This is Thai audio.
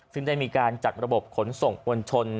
ซึ่งได้มีการจัดระบบขนส่งมวลชน